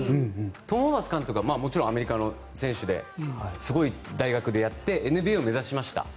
トム・ホーバス監督はもちろんアメリカの選手ですごい大学でやってＮＢＡを目指しました。